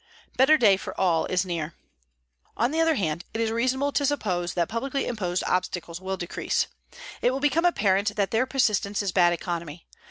BETTER DAY FOR ALL IS NEAR On the other hand, it is reasonable to suppose that publicly imposed obstacles will decrease. It will become apparent that their persistence is bad economy.